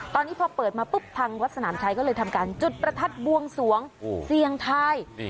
ตอนนี้พอเปิดมาปุ๊บพังวัดสนามชัยก็เลยทำการจุดประทัดบวงสวงเสี่ยงทาย